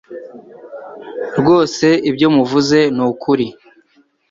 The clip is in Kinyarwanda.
Rwose ibyo muvuze nukuri